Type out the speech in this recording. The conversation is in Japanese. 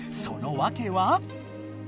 そのわけは？